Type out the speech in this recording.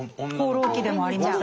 「放浪記」でもありました。